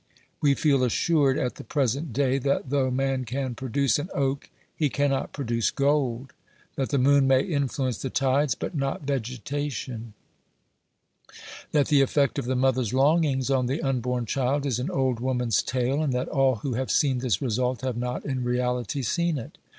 We feel assured at the present day, that though man can produce an oak, he cannot produce gold ; that the moon may influence the tides, but not vegetation ; that the effect of the mother's longings on the unborn child is an old woman's tale, and that all who have seen this result have not in reality seen it.